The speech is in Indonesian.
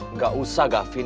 enggak usah gavin